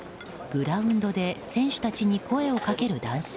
グラウンドで選手たちに声をかける男性。